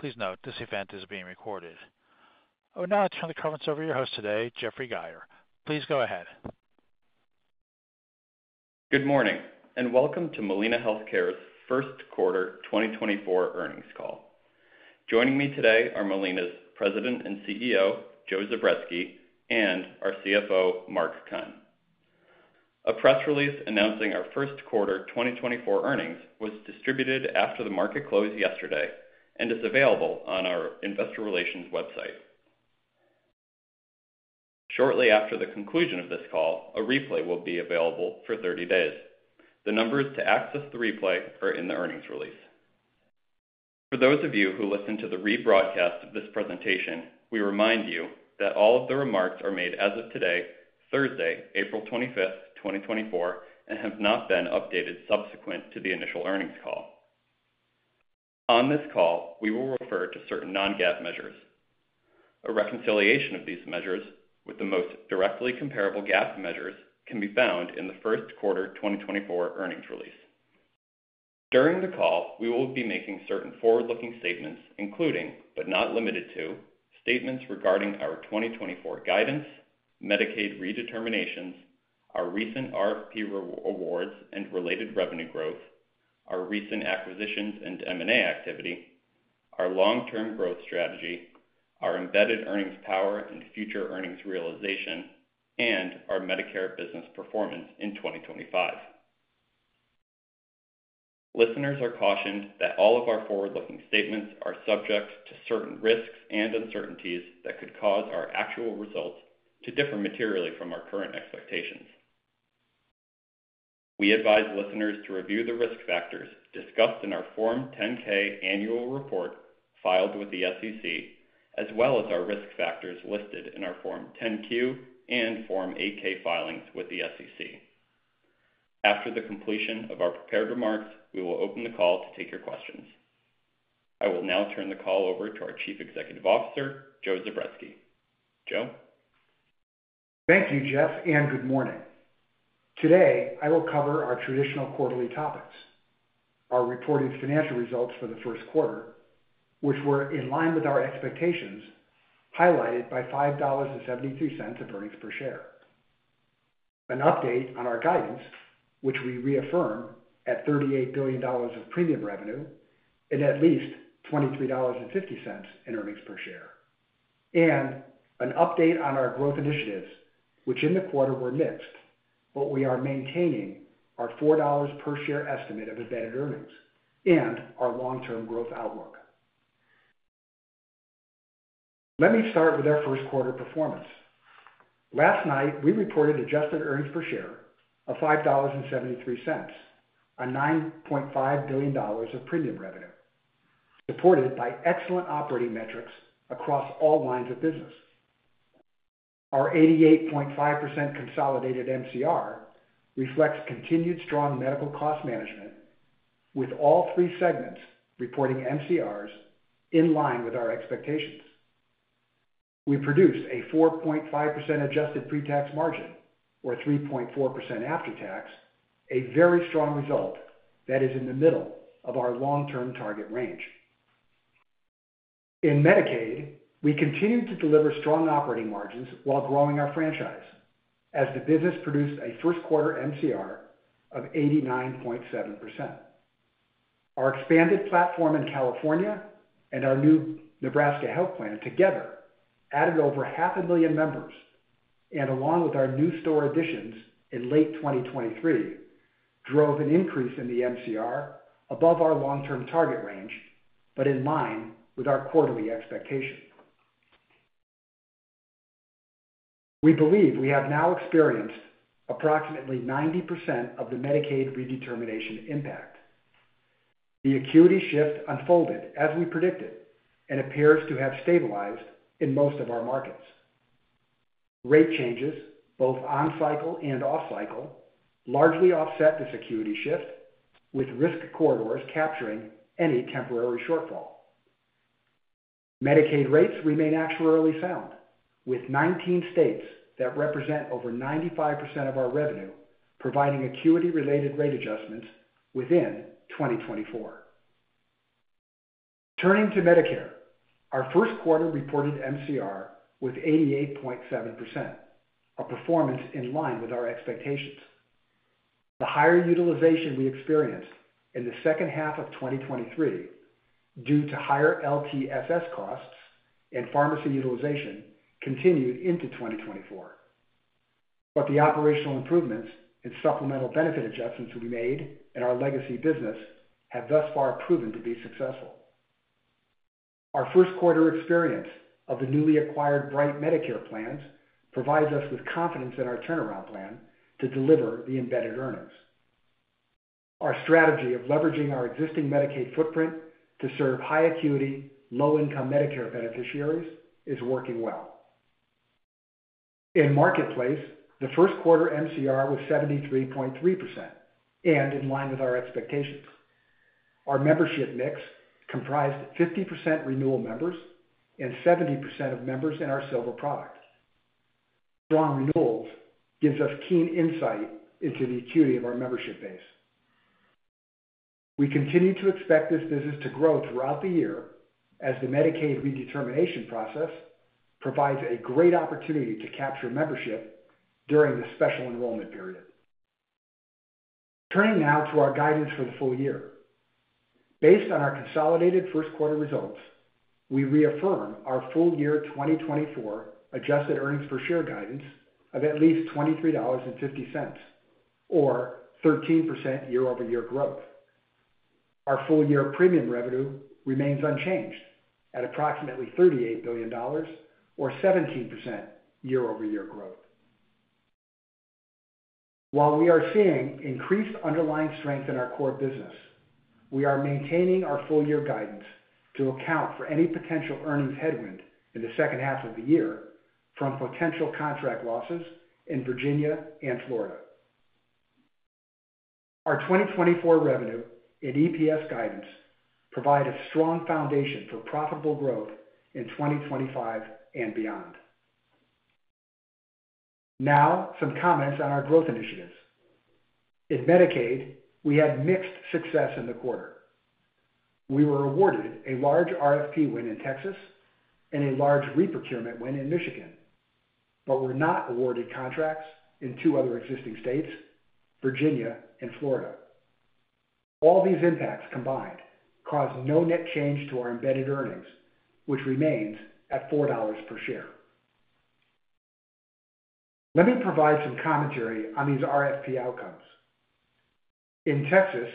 Please note, this event is being recorded. I would now turn the conference over to your host today, Jeff Geyer. Please go ahead. Good morning, and welcome to Molina Healthcare's First Quarter 2024 Earnings Call. Joining me today are Molina's President and CEO, Joe Zubretsky, and our CFO, Mark Keim. A press release announcing our First Quarter 2024 Earnings was distributed after the market closed yesterday and is available on our investor relations website. Shortly after the conclusion of this call, a replay will be available for 30 days. The numbers to access the replay are in the earnings release. For those of you who listen to the rebroadcast of this presentation, we remind you that all of the remarks are made as of today, Thursday, April 25, 2024, and have not been updated subsequent to the initial earnings call. On this call, we will refer to certain non-GAAP measures. A reconciliation of these measures with the most directly comparable GAAP measures can be found in the first quarter 2024 earnings release. During the call, we will be making certain forward-looking statements, including, but not limited to, statements regarding our 2024 guidance, Medicaid redeterminations, our recent RFP re-awards and related revenue growth, our recent acquisitions and M&A activity, our long-term growth strategy, our embedded earnings power and future earnings realization, and our Medicare business performance in 2025. Listeners are cautioned that all of our forward-looking statements are subject to certain risks and uncertainties that could cause our actual results to differ materially from our current expectations. We advise listeners to review the risk factors discussed in our Form 10-K annual report filed with the SEC, as well as our risk factors listed in our Form 10-Q and Form 8-K filings with the SEC. After the completion of our prepared remarks, we will open the call to take your questions. I will now turn the call over to our Chief Executive Officer, Joe Zubretsky. Joe? Thank you, Jeff, and good morning. Today, I will cover our traditional quarterly topics, our reported financial results for the first quarter, which were in line with our expectations, highlighted by $5.72 of earnings per share. An update on our guidance, which we reaffirm at $38 billion of premium revenue and at least $23.50 in earnings per share, and an update on our growth initiatives, which in the quarter were mixed, but we are maintaining our $4 per share estimate of embedded earnings and our long-term growth outlook. Let me start with our first quarter performance. Last night, we reported adjusted earnings per share of $5.73 on $9.5 billion of premium revenue, supported by excellent operating metrics across all lines of business. Our 88.5% consolidated MCR reflects continued strong medical cost management, with all three segments reporting MCRs in line with our expectations. We produced a 4.5% adjusted pre-tax margin, or 3.4% after tax, a very strong result that is in the middle of our long-term target range. In Medicaid, we continued to deliver strong operating margins while growing our franchise, as the business produced a first quarter MCR of 89.7%. Our expanded platform in California and our new Nebraska Health Plan together added over 500,000 members, and along with our new STAR additions in late 2023, drove an increase in the MCR above our long-term target range, but in line with our quarterly expectation. We believe we have now experienced approximately 90% of the Medicaid redetermination impact. The acuity shift unfolded as we predicted and appears to have stabilized in most of our markets. Rate changes, both on cycle and off cycle, largely offset the acuity shift, with risk corridors capturing any temporary shortfall. Medicaid rates remain actuarially sound, with 19 states that represent over 95% of our revenue, providing acuity-related rate adjustments within 2024. Turning to Medicare, our first quarter reported MCR was 88.7%, a performance in line with our expectations. The higher utilization we experienced in the second half of 2023 due to higher LTSS costs and pharmacy utilization continued into 2024, but the operational improvements and supplemental benefit adjustments we made in our legacy business have thus far proven to be successful. Our first quarter experience of the newly acquired Bright Medicare plans provides us with confidence in our turnaround plan to deliver the embedded earnings.. Our strategy of leveraging our existing Medicaid footprint to serve high acuity, low-income Medicare beneficiaries is working well. In Marketplace, the first quarter MCR was 73.3% and in line with our expectations. Our membership mix comprised 50% renewal members and 70% of members in our Silver product.... strong renewals gives us keen insight into the acuity of our membership base. We continue to expect this business to grow throughout the year as the Medicaid redetermination process provides a great opportunity to capture membership during the special enrollment period. Turning now to our guidance for the full year. Based on our consolidated first quarter results, we reaffirm our full year 2024 adjusted earnings per share guidance of at least $23.50, or 13% year-over-year growth. Our full year premium revenue remains unchanged at approximately $38 billion or 17% year-over-year growth. While we are seeing increased underlying strength in our core business, we are maintaining our full year guidance to account for any potential earnings headwind in the second half of the year from potential contract losses in Virginia and Florida. Our 2024 revenue and EPS guidance provide a strong foundation for profitable growth in 2025 and beyond. Now, some comments on our growth initiatives. In Medicaid, we had mixed success in the quarter. We were awarded a large RFP win in Texas and a large reprocurement win in Michigan, but were not awarded contracts in two other existing states, Virginia and Florida. All these impacts combined caused no net Change to our embedded earnings, which remains at $4 per share. Let me provide some commentary on these RFP outcomes. In Texas,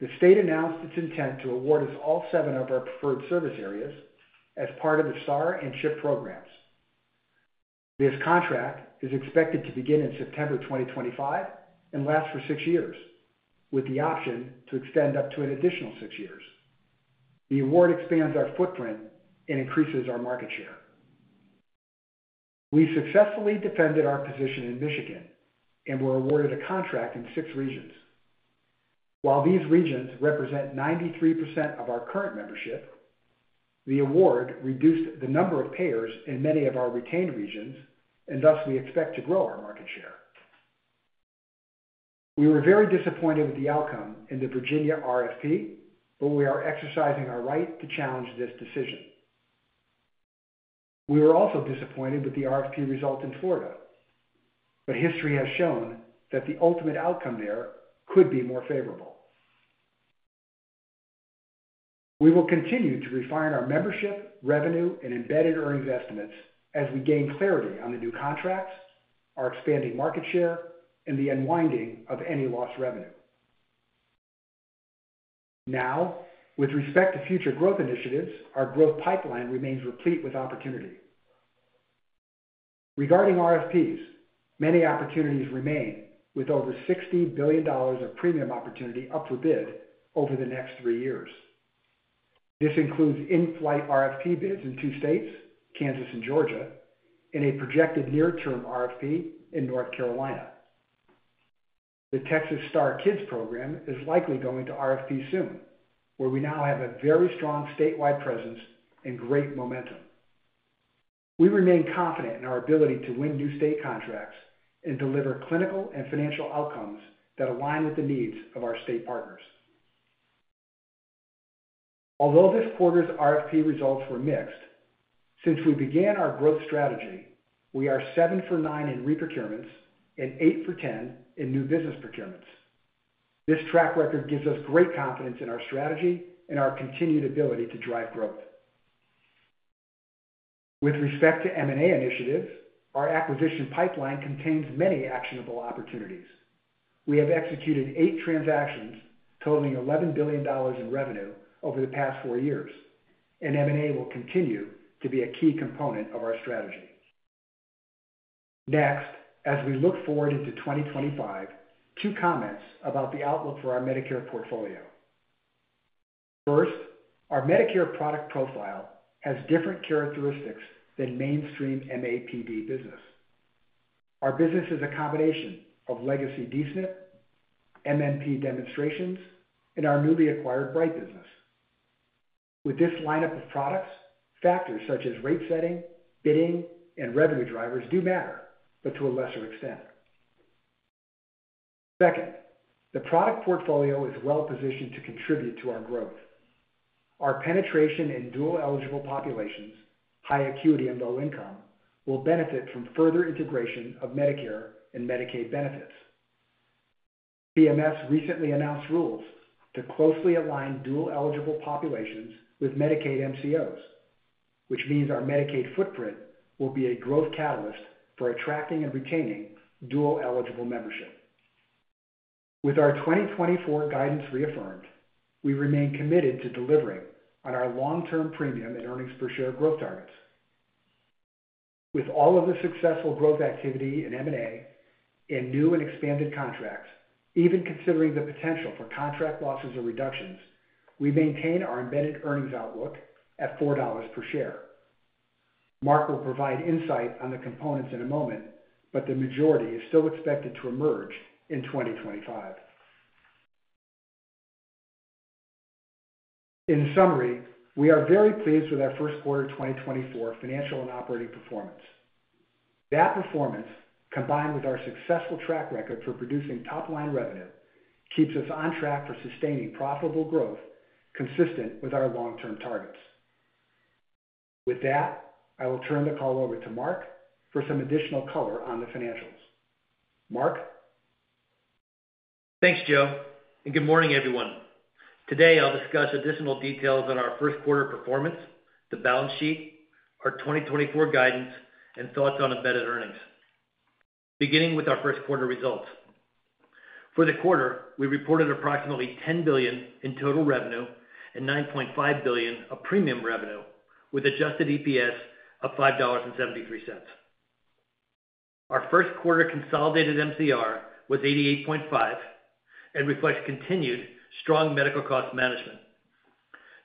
the state announced its intent to award us all seven of our preferred service areas as part of the STAR and CHIP programs. This contract is expected to begin in September 2025 and last for six years, with the option to extend up to an additional six years. The award expands our footprint and increases our market share. We successfully defended our position in Michigan and were awarded a contract in six regions. While these regions represent 93% of our current membership, the award reduced the number of payers in many of our retained regions, and thus we expect to grow our market share. We were very disappointed with the outcome in the Virginia RFP, but we are exercising our right to challenge this decision. We were also disappointed with the RFP results in Florida, but history has shown that the ultimate outcome there could be more favorable. We will continue to refine our membership, revenue, and embedded earnings estimates as we gain clarity on the new contracts, our expanding market share, and the unwinding of any lost revenue. Now, with respect to future growth initiatives, our growth pipeline remains replete with opportunity. Regarding RFPs, many opportunities remain, with over $60 billion of premium opportunity up for bid over the next three years. This includes in-flight RFP bids in two states, Kansas and Georgia, and a projected near-term RFP in North Carolina. The Texas STAR Kids program is likely going to RFP soon, where we now have a very strong statewide presence and great momentum. We remain confident in our ability to win new state contracts and deliver clinical and financial outcomes that align with the needs of our state partners. Although this quarter's RFP results were mixed, since we began our growth strategy, we are seven for nine in reprocurements and eight for 10 in new business procurements. This track record gives us great confidence in our strategy and our continued ability to drive growth. With respect to M&A initiatives, our acquisition pipeline contains many actionable opportunities. We have executed eight transactions totaling $11 billion in revenue over the past four years, and M&A will continue to be a key component of our strategy. Next, as we look forward into 2025, two comments about the outlook for our Medicare portfolio. First, our Medicare product profile has different characteristics than mainstream MAPD business. Our business is a combination of legacy D-SNP, MMP demonstrations, and our newly acquired Bright business. With this lineup of products, factors such as rate setting, bidding, and revenue drivers do matter, but to a lesser extent. Second, the product portfolio is well positioned to contribute to our growth. Our penetration in dual-eligible populations, high acuity and low income, will benefit from further integration of Medicare and Medicaid benefits. CMS recently announced rules to closely align dual-eligible populations with Medicaid MCOs, which means our Medicaid footprint will be a growth catalyst for attracting and retaining dual-eligible membership. With our 2024 guidance reaffirmed, we remain committed to delivering on our long-term premium and earnings per share growth targets. With all of the successful growth activity in M&A and new and expanded contracts, even considering the potential for contract losses or reductions, we maintain our embedded earnings outlook at $4 per share. Mark will provide insight on the components in a moment, but the majority is still expected to emerge in 2025.... In summary, we are very pleased with our first quarter 2024 financial and operating performance. That performance, combined with our successful track record for producing top-line revenue, keeps us on track for sustaining profitable growth consistent with our long-term targets. With that, I will turn the call over to Mark for some additional color on the financials. Mark? Thanks, Joe, and good morning, everyone. Today, I'll discuss additional details on our first quarter performance, the balance sheet, our 2024 guidance, and thoughts on embedded earnings. Beginning with our first quarter results. For the quarter, we reported approximately $10 billion in total revenue and $9.5 billion of premium revenue, with adjusted EPS of $5.73. Our first quarter consolidated MCR was 88.5% and reflects continued strong medical cost management.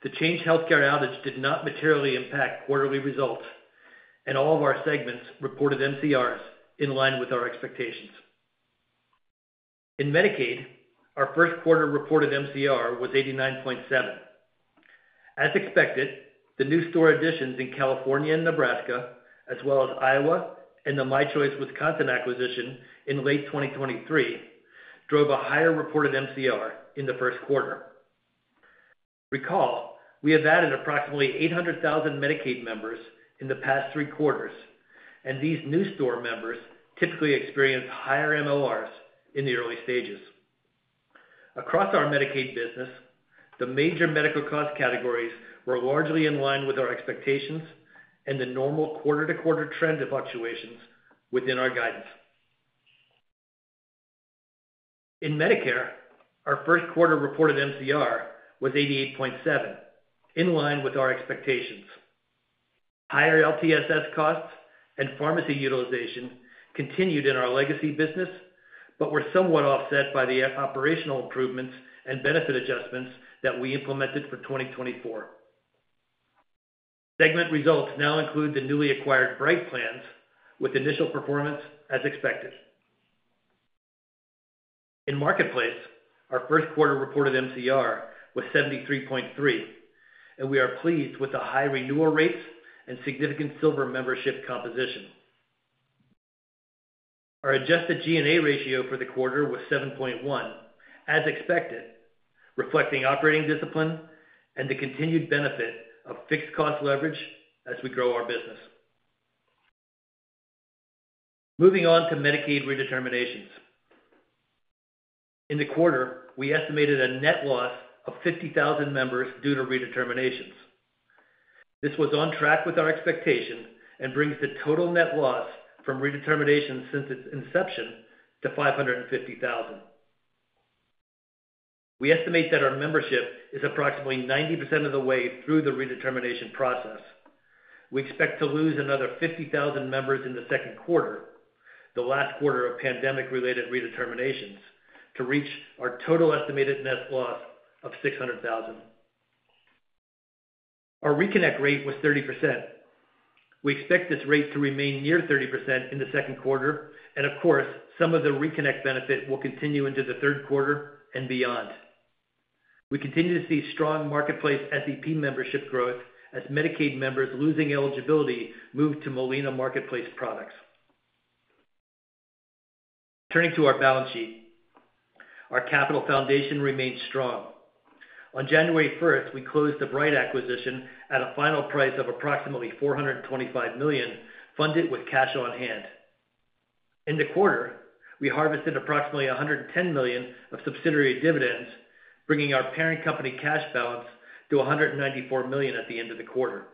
The Change Healthcare outage did not materially impact quarterly results, and all of our segments reported MCRs in line with our expectations. In Medicaid, our first quarter reported MCR was 89.7%. As expected, the new state additions in California and Nebraska, as well as Iowa and the My Choice Wisconsin acquisition in late 2023, drove a higher reported MCR in the first quarter. Recall, we have added approximately 800,000 Medicaid members in the past three quarters, and these newest members typically experience higher MCRs in the early stages. Across our Medicaid business, the major medical cost categories were largely in line with our expectations and the normal quarter-to-quarter trend of fluctuations within our guidance. In Medicare, our first quarter reported MCR was 88.7%, in line with our expectations. Higher LTSS costs and pharmacy utilization continued in our legacy business, but were somewhat offset by the operational improvements and benefit adjustments that we implemented for 2024. Segment results now include the newly acquired Bright Plans, with initial performance as expected. In Marketplace, our first quarter reported MCR was 73.3%, and we are pleased with the high renewal rates and significant silver membership composition. Our adjusted G&A ratio for the quarter was 7.1%, as expected, reflecting operating discipline and the continued benefit of fixed cost leverage as we grow our business. Moving on to Medicaid redeterminations. In the quarter, we estimated a net loss of 50,000 members due to redeterminations. This was on track with our expectation and brings the total net loss from redeterminations since its inception to 550,000. We estimate that our membership is approximately 90% of the way through the redetermination process. We expect to lose another 50,000 members in the second quarter, the last quarter of pandemic-related redeterminations, to reach our total estimated net loss of 600,000. Our reconnect rate was 30%. We expect this rate to remain near 30% in the second quarter, and of course, some of the reconnect benefit will continue into the third quarter and beyond. We continue to see strong marketplace SEP membership growth as Medicaid members losing eligibility move to Molina Marketplace products. Turning to our balance sheet. Our capital foundation remains strong. On January first, we closed the Bright acquisition at a final price of approximately $425 million, funded with cash on hand. In the quarter, we harvested approximately $110 million of subsidiary dividends, bringing our parent company cash balance to $194 million at the end of the quarter.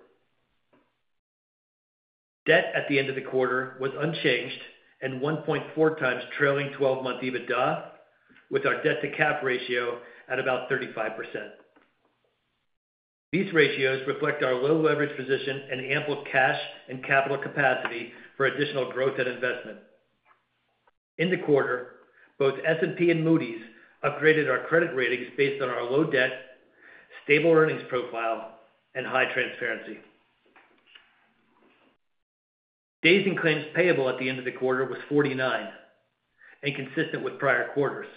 Debt at the end of the quarter was unchanged and 1.4 times trailing 12-month EBITDA, with our debt-to-cap ratio at about 35%. These ratios reflect our low leverage position and ample cash and capital capacity for additional growth and investment. In the quarter, both S&P and Moody's upgraded our credit ratings based on our low debt, stable earnings profile, and high transparency. Days in claims payable at the end of the quarter was 49 and consistent with prior quarters.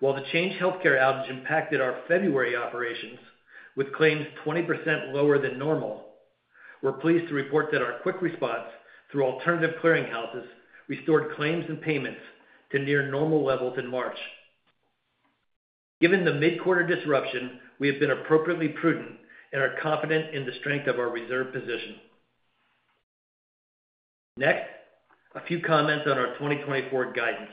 While the Change Healthcare outage impacted our February operations, with claims 20% lower than normal, we're pleased to report that our quick response through alternative clearinghouses restored claims and payments to near normal levels in March. Given the mid-quarter disruption, we have been appropriately prudent and are confident in the strength of our reserve position. Next, a few comments on our 2024 guidance.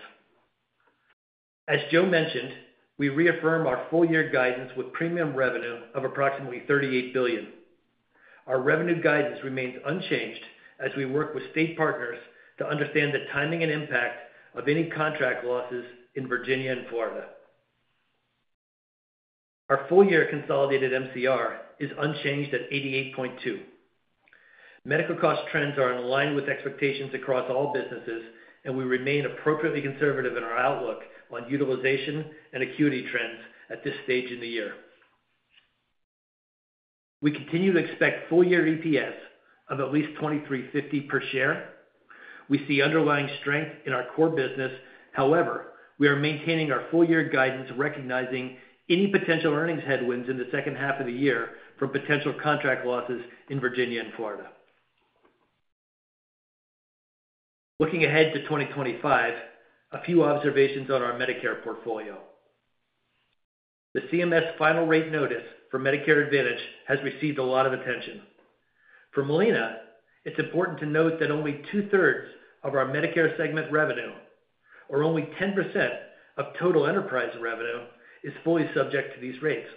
As Joe mentioned, we reaffirm our full-year guidance with premium revenue of approximately $38 billion. Our revenue guidance remains unchanged as we work with state partners to understand the timing and impact of any contract losses in Virginia and Florida. Our full-year consolidated MCR is unchanged at 88.2. Medical cost trends are in line with expectations across all businesses, and we remain appropriately conservative in our outlook on utilization and acuity trends at this stage in the year. We continue to expect full-year EPS of at least $23.50 per share. We see underlying strength in our core business. However, we are maintaining our full-year guidance, recognizing any potential earnings headwinds in the second half of the year from potential contract losses in Virginia and Florida. Looking ahead to 2025, a few observations on our Medicare portfolio. The CMS final rate notice for Medicare Advantage has received a lot of attention. For Molina, it's important to note that only two-thirds of our Medicare segment revenue, or only 10% of total enterprise revenue, is fully subject to these rates.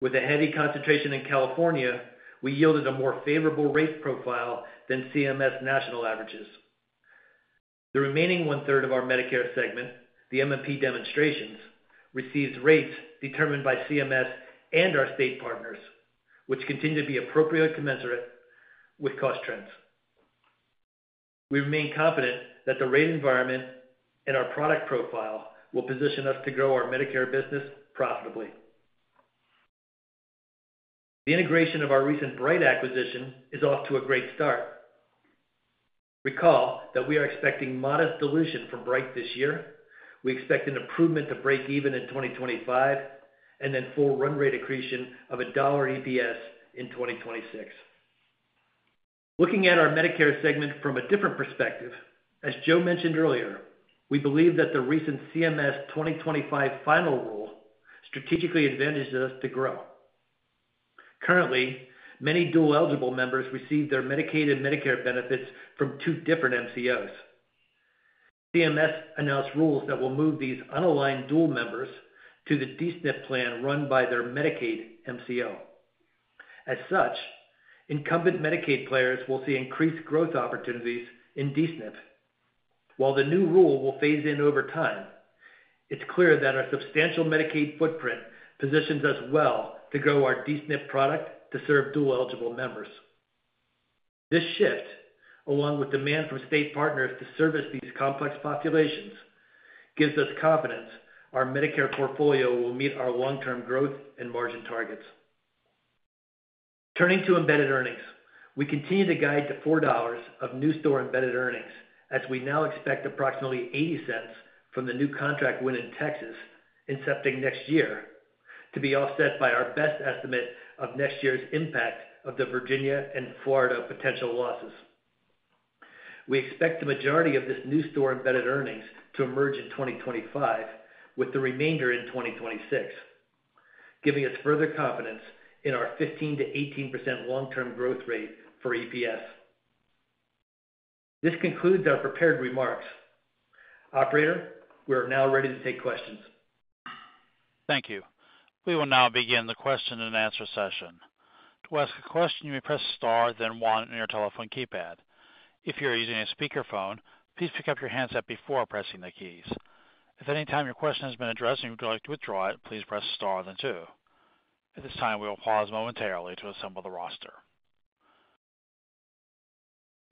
With a heavy concentration in California, we yielded a more favorable rate profile than CMS national averages. The remaining one-third of our Medicare segment, the MMP demonstrations, receives rates determined by CMS and our state partners, which continue to be appropriately commensurate with cost trends. We remain confident that the rate environment and our product profile will position us to grow our Medicare business profitably. The integration of our recent Bright acquisition is off to a great start. Recall that we are expecting modest dilution from Bright this year. We expect an improvement to break even in 2025, and then full run rate accretion of $1 EPS in 2026. Looking at our Medicare segment from a different perspective, as Joe mentioned earlier, we believe that the recent CMS 2025 final rule strategically advantages us to grow. Currently, many dual-eligible members receive their Medicaid and Medicare benefits from two different MCOs. CMS announced rules that will move these unaligned dual members to the D-SNP plan run by their Medicaid MCO. As such, incumbent Medicaid players will see increased growth opportunities in D-SNP. While the new rule will phase in over time, it's clear that our substantial Medicaid footprint positions us well to grow our D-SNP product to serve dual-eligible members. This shift, along with demand from state partners to service these complex populations, gives us confidence our Medicare portfolio will meet our long-term growth and margin targets. Turning to embedded earnings, we continue to guide to $4 of new store embedded earnings, as we now expect approximately $0.80 from the new contract win in Texas, incepting next year, to be offset by our best estimate of next year's impact of the Virginia and Florida potential losses. We expect the majority of this new store embedded earnings to emerge in 2025, with the remainder in 2026, giving us further confidence in our 15%-18% long-term growth rate for EPS. This concludes our prepared remarks. Operator, we are now ready to take questions. Thank you. We will now begin the question-and-answer session. To ask a question, you may press star, then one, on your telephone keypad. If you are using a speakerphone, please pick up your handset before pressing the keys. If at any time your question has been addressed and you would like to withdraw it, please press star then two. At this time, we will pause momentarily to assemble the roster.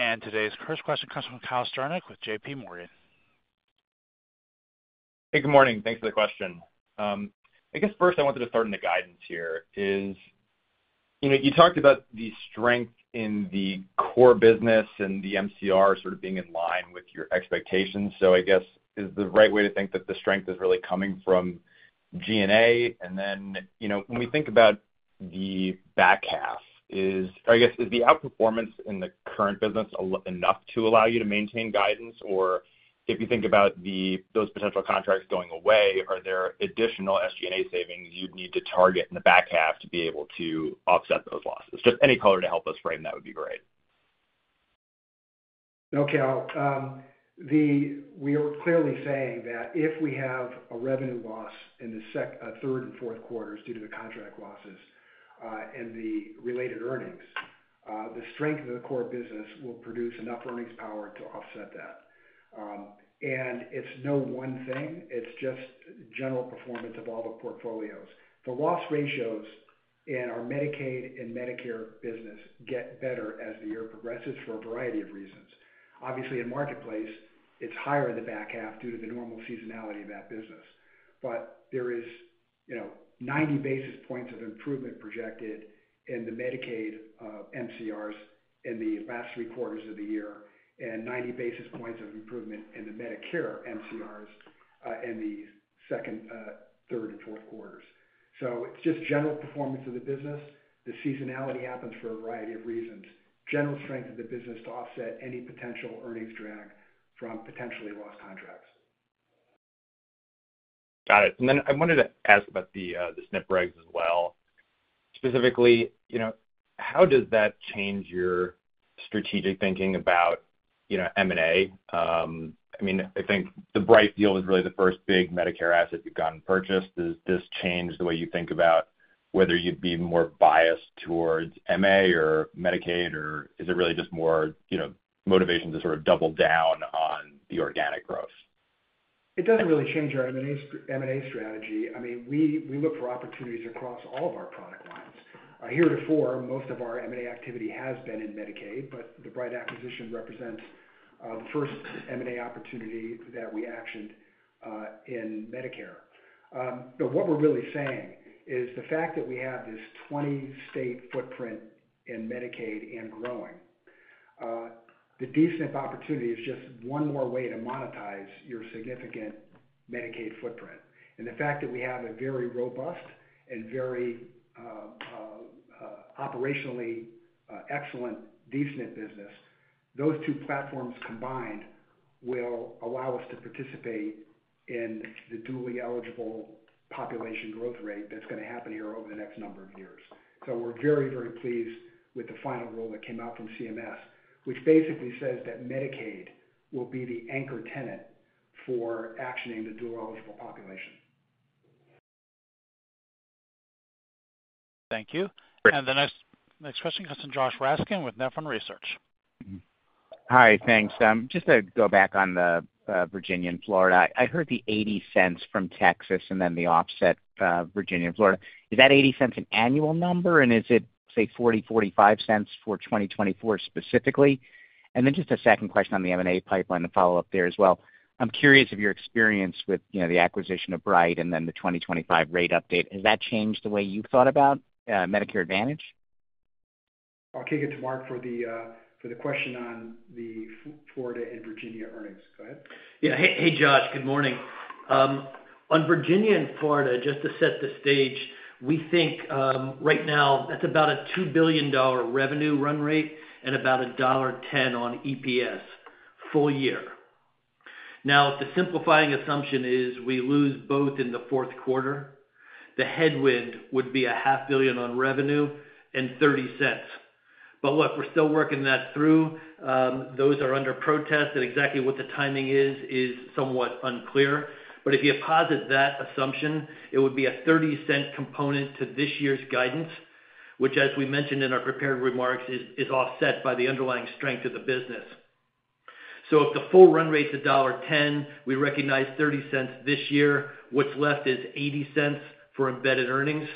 Today's first question comes from Cal Sternick with JPMorgan. Hey, good morning. Thanks for the question. I guess first I wanted to start on the guidance here, is, you know, you talked about the strength in the core business and the MCR sort of being in line with your expectations. So I guess, is the right way to think that the strength is really coming from G&A? And then, you know, when we think about the back half, or I guess, is the outperformance in the current business enough to allow you to maintain guidance? Or if you think about those potential contracts going away, are there additional SG&A savings you'd need to target in the back half to be able to offset those losses? Just any color to help us frame that would be great. No, Cal, we are clearly saying that if we have a revenue loss in the third and fourth quarters due to the contract losses, and the related earnings, the strength of the core business will produce enough earnings power to offset that. And it's no one thing, it's just general performance of all the portfolios. The loss ratios in our Medicaid and Medicare business get better as the year progresses for a variety of reasons. Obviously, in Marketplace, it's higher in the back half due to the normal seasonality of that business. But there is, you know, ninety basis points of improvement projected in the Medicaid MCRs in the last three quarters of the year, and ninety basis points of improvement in the Medicare MCRs in the second, third, and fourth quarters. So it's just general performance of the business. The seasonality happens for a variety of reasons. General strength of the business to offset any potential earnings drag from potentially lost contracts. Got it. And then I wanted to ask about the, the SNP regs as well. Specifically, you know, how does that change your strategic thinking about, you know, M&A? I mean, I think the Bright deal is really the first big Medicare asset you've gone and purchased. Does this change the way you think about whether you'd be more biased towards MA or Medicaid, or is it really just more, you know, motivation to sort of double down on the organic growth? It doesn't really change our M&A strategy. I mean, we look for opportunities across all of our product lines. Heretofore, most of our M&A activity has been in Medicaid, but the Bright acquisition represents,... the first M&A opportunity that we actioned, in Medicare. But what we're really saying is the fact that we have this 20-state footprint in Medicaid and growing, the D-SNP opportunity is just one more way to monetize your significant Medicaid footprint. And the fact that we have a very robust and very, operationally, excellent D-SNP business, those two platforms combined will allow us to participate in the dually eligible population growth rate that's gonna happen here over the next number of years. So we're very, very pleased with the final rule that came out from CMS, which basically says that Medicaid will be the anchor tenant for actioning the dual-eligible population. Thank you. The next, next question comes from Josh Raskin with Nephron Research. Hi, thanks. Just to go back on the, Virginia and Florida, I heard the $0.80 from Texas and then the offset, Virginia and Florida. Is that $0.80 an annual number? And is it, say, $0.40-$0.45 for 2024 specifically? And then just a second question on the M&A pipeline to follow up there as well. I'm curious of your experience with, you know, the acquisition of Bright and then the 2025 rate update. Has that changed the way you thought about, Medicare Advantage? I'll kick it to Mark for the question on the Florida and Virginia earnings. Go ahead. Yeah. Hey, hey, Josh, good morning. On Virginia and Florida, just to set the stage, we think, right now, that's about a $2 billion revenue run rate and about $1.10 on EPS, full year. Now, the simplifying assumption is we lose both in the fourth quarter, the headwind would be $500 million on revenue and $0.30. But look, we're still working that through. Those are under protest, and exactly what the timing is, is somewhat unclear. But if you posit that assumption, it would be a $0.30 component to this year's guidance, which, as we mentioned in our prepared remarks, is offset by the underlying strength of the business. So if the full run rate is $1.10, we recognize $0.30 this year. What's left is $0.80 for embedded earnings,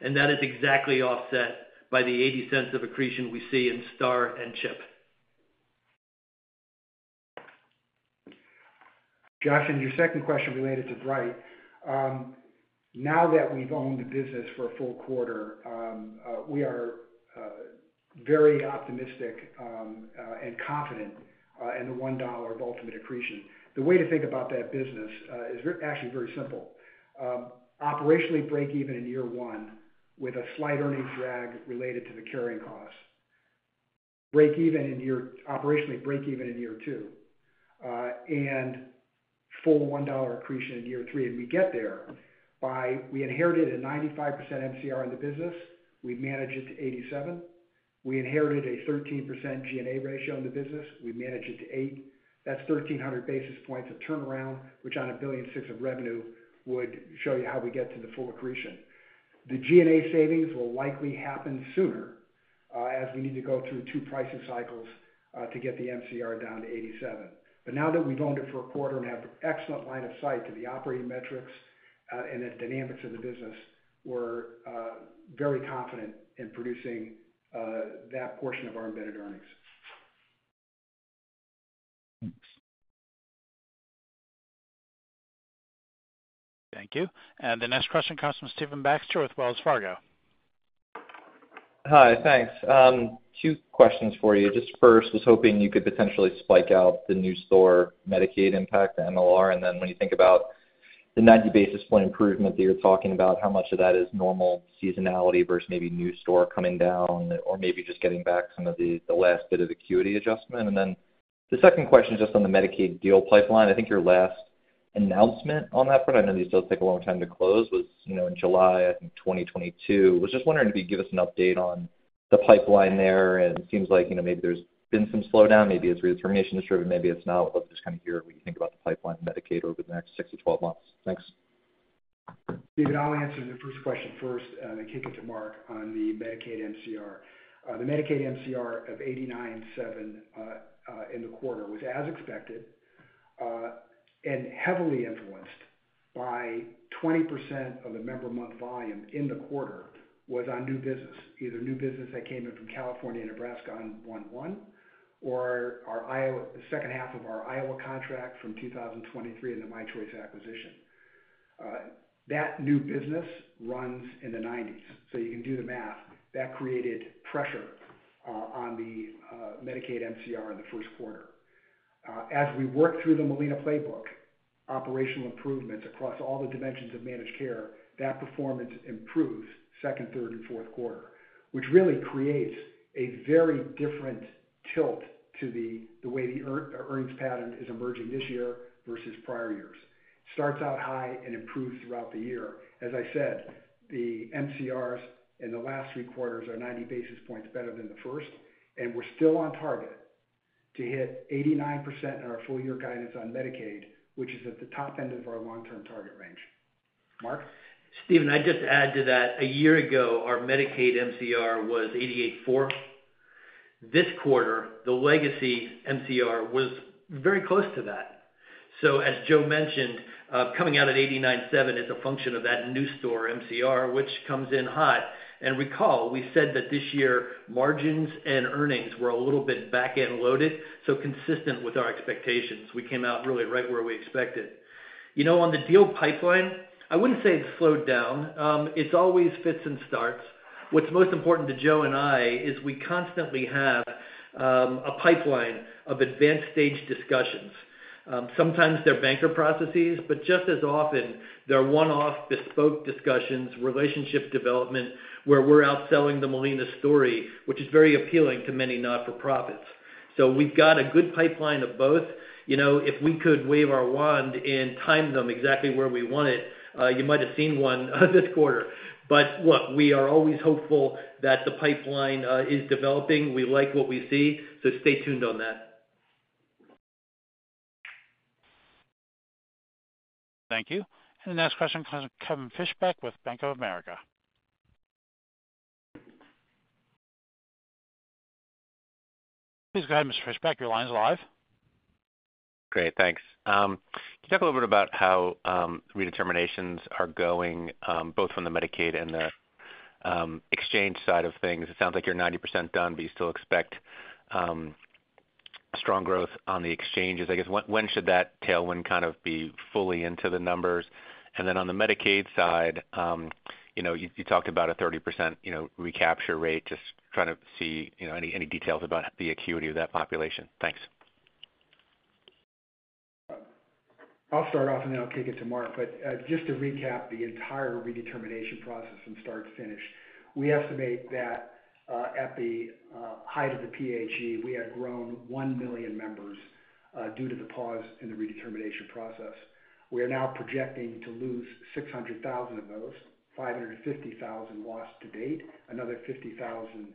and that is exactly offset by the $0.80 of accretion we see in STAR and CHIP. Josh, your second question related to Bright. Now that we've owned the business for a full quarter, we are very optimistic and confident in the $1 of ultimate accretion. The way to think about that business is very, actually very simple. Operationally break even in year one with a slight earnings drag related to the carrying costs. Operationally, break even in year two, and full $1 accretion in year three. And we get there by, we inherited a 95% MCR in the business. We've managed it to 87%. We inherited a 13% G&A ratio in the business. We managed it to 8%. That's 1,300 basis points of turnaround, which on a $1.6 billion of revenue, would show you how we get to the full accretion. The G&A savings will likely happen sooner, as we need to go through two pricing cycles, to get the MCR down to 87%. But now that we've owned it for a quarter and have excellent line of sight to the operating metrics, and the dynamics of the business, we're very confident in producing that portion of our embedded earnings. Thanks. Thank you. The next question comes from Stephen Baxter with Wells Fargo. Hi, thanks. two questions for you. Just first, was hoping you could potentially spike out the new store Medicaid impact, the MLR. And then when you think about the 90 basis point improvement that you're talking about, how much of that is normal seasonality versus maybe new store coming down or maybe just getting back some of the last bit of acuity adjustment? And then the second question is just on the Medicaid deal pipeline. I think your last announcement on that front, I know these still take a long time to close, was, you know, in July 2022. Was just wondering if you'd give us an update on the pipeline there. And it seems like, you know, maybe there's been some slowdown, maybe it's redetermination-driven, maybe it's not. Just kind of hear what you think about the pipeline in Medicaid over the next six-12 months. Thanks. Stephen, I'll answer the first question first, and then kick it to Mark on the Medicaid MCR. The Medicaid MCR of 89.7% in the quarter was as expected, and heavily influenced by 20% of the member month volume in the quarter, was on new business. Either new business that came in from California and Nebraska on 1/1, or our Iowa, the second half of our Iowa contract from 2023, and the My Choice acquisition. That new business runs in the 90s, so you can do the math. That created pressure on the, Medicaid MCR in the first quarter. As we work through the Molina playbook, operational improvements across all the dimensions of managed care, that performance improves second, third, and fourth quarter, which really creates a very different tilt to the way the earnings pattern is emerging this year versus prior years. Starts out high and improves throughout the year. As I said, the MCRs in the last three quarters are 90 basis points better than the first, and we're still on target to hit 89% in our full year guidance on Medicaid, which is at the top end of our long-term target range. Mark? Stephen, I'd just add to that, a year ago, our Medicaid MCR was 88.4%. This quarter, the legacy MCR was very close to that. So as Joe mentioned, coming out at 89.7% is a function of that new store MCR, which comes in hot. And recall, we said that this year, margins and earnings were a little bit back-end loaded, so consistent with our expectations. We came out really right where we expected. You know, on the deal pipeline, I wouldn't say it's slowed down. It's always fits and starts. What's most important to Joe and I is we constantly have a pipeline of advanced stage discussions. Sometimes they're banker processes, but just as often, they're one-off bespoke discussions, relationship development, where we're out selling the Molina story, which is very appealing to many not-for-profits. So we've got a good pipeline of both. You know, if we could wave our wand and time them exactly where we want it, you might have seen one this quarter. But look, we are always hopeful that the pipeline is developing. We like what we see, so stay tuned on that. Thank you. And the next question comes from Kevin Fischbeck with Bank of America. Please go ahead, Mr. Fischbeck, your line's live. Great, thanks. Can you talk a little bit about how redeterminations are going, both from the Medicaid and the exchange side of things? It sounds like you're 90% done, but you still expect strong growth on the exchanges. I guess, when should that tailwind kind of be fully into the numbers? And then on the Medicaid side, you know, you talked about a 30% recapture rate, just trying to see, you know, any details about the acuity of that population. Thanks. I'll start off, and then I'll kick it to Mark. But just to recap the entire redetermination process from start to finish, we estimate that at the height of the PHE, we had grown 1 million members due to the pause in the redetermination process. We are now projecting to lose 600,000 of those, 550,000 lost to date, another 50,000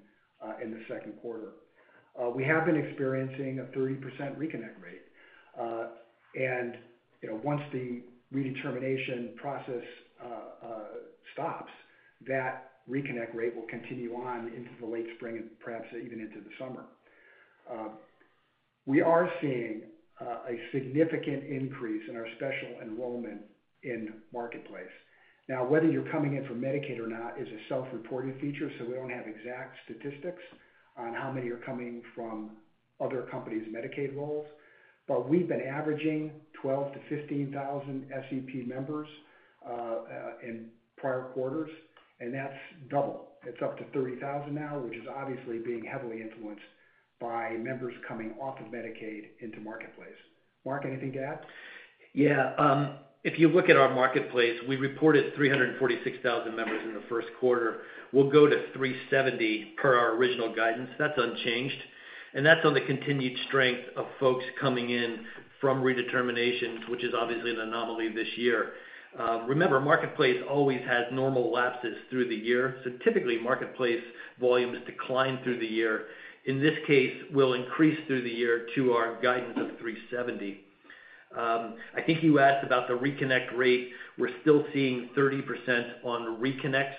in the second quarter. We have been experiencing a 30% reconnect rate. And, you know, once the redetermination process stops, that reconnect rate will continue on into the late spring and perhaps even into the summer. We are seeing a significant increase in our special enrollment in Marketplace. Now, whether you're coming in from Medicaid or not is a self-reported feature, so we don't have exact statistics on how many are coming from other companies' Medicaid roles. But we've been averaging 12,000-15,000 SEP members in prior quarters, and that's double. It's up to 30,000 now, which is obviously being heavily influenced by members coming off of Medicaid into Marketplace. Mark, anything to add? Yeah, if you look at our Marketplace, we reported 346,000 members in the first quarter. We'll go to 370 per our original guidance. That's unchanged, and that's on the continued strength of folks coming in from redeterminations, which is obviously an anomaly this year. Remember, Marketplace always has normal lapses through the year. So typically, Marketplace volumes decline through the year. In this case, we'll increase through the year to our guidance of 370. I think you asked about the reconnect rate. We're still seeing 30% on reconnects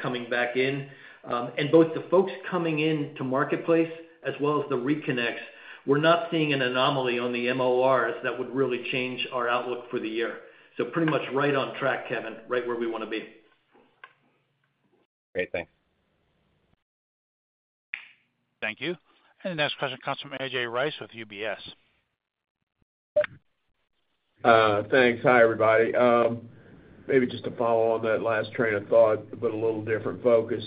coming back in. And both the folks coming in to Marketplace as well as the reconnects, we're not seeing an anomaly on the MCRs that would really change our outlook for the year. So pretty much right on track, Kevin, right where we wanna be. Great. Thanks. Thank you. And the next question comes from A.J. Rice with UBS. Thanks. Hi, everybody. Maybe just to follow on that last train of thought, but a little different focus.